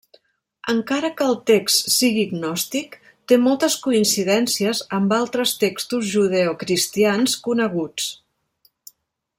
Encara que el text sigui gnòstic, té moltes coincidències amb altres textos judeocristians coneguts.